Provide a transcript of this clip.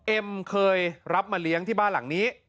เอ็มเคยรับมาเลี้ยงที่บ้านหลังนี้